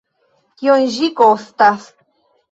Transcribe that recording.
Kiom ĝi kostas?